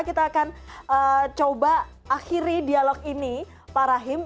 kita akan coba akhiri dialog ini pak rahim